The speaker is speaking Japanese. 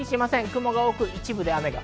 雲が多く、一部で雨が。